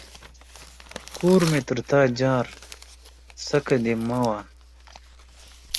کور مې تر تا جار ، څکه دي مه وه.